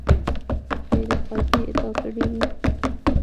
که یې د قاضي ادعا کړې وي.